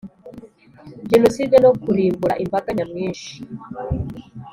Jenoside no kurimbura imbaga nyamwinshi